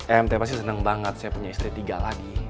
emt pasti seneng banget saya punya istri ketiga lagi